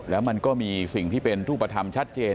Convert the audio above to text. แล้วมันก็มีสิ่งที่เป็นรูปธรรมชัดเจน